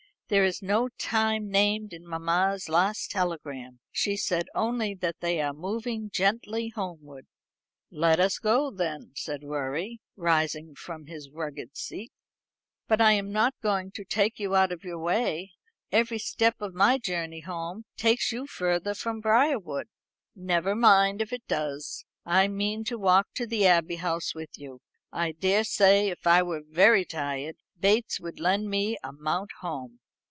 There is no time named in mamma's last telegram; she said only that they are moving gently homewards." "Let us go then," said Rorie, rising from his rugged seat. "But I am not going to take you out of your way. Every step of my journey home takes you further from Briarwood." "Never mind if it does. I mean to walk to the Abbey House with you. I daresay, if I were very tired, Bates would lend me a mount home."